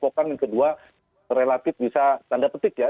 pokan yang kedua relatif bisa tanda petik ya